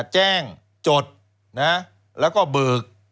แจ้งจดแล้วก็เบิก